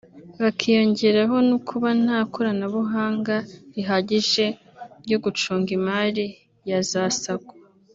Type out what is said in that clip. hakiyongeraho no kuba nta koranabuhanga rihagije ryo gucunga imari ya za Sacco